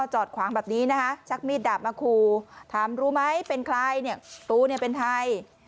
จอดขวางแบบนี้นะคะชักมีดดาบมาคู่ถามรู้ไหมเป็นใครเนี่ยตูเนี่ยเป็นใคร